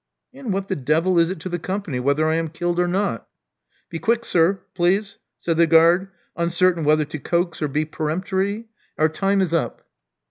And what the devil is it to the Company whether I am killed or not?" Be quick, sir, please," said the guard, uncertain whether to coax or be peremptory. Our time is, up.